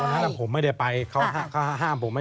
นั้นผมไม่ได้ไปเขาห้ามผม